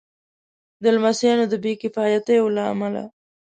د لمسیانو د بې کفایتیو له امله.